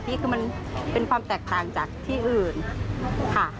นี่คือมันเป็นความแตกต่างจากที่อื่นค่ะ